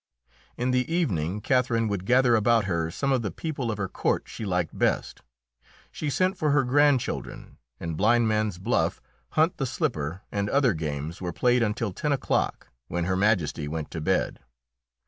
In the evening Catherine would gather about her some of the people of her court she liked best. She sent for her grandchildren, and blind man's buff, hunt the slipper and other games were played until ten o'clock, when Her Majesty went to bed.